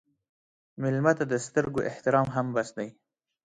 مېلمه ته د سترګو احترام هم بس دی.